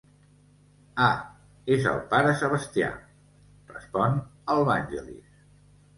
Ah, és el pare Sebastià —respon el Vangelis—.